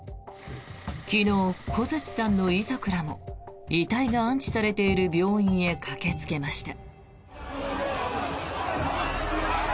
昨日、小槌さんの遺族らも遺体が安置されている病院へ駆けつけました。